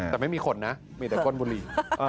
แต่ไม่มีขนนะมีแต่ก้นบุหรี่